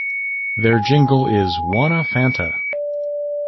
Their jingle is Wanna Fanta!